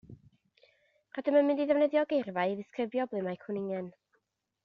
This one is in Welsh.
Rydym yn mynd i ddefnyddio geirfa i ddisgrifio ble mae cwningen.